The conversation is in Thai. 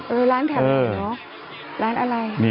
อืมร้านแถบนี้เหรอร้านอะไร